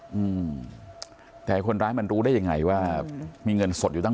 อืมแต่คนร้ายมันรู้ได้ยังไงว่ามีเงินสดอยู่ตั้ง